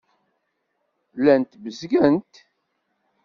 Llant bezgent.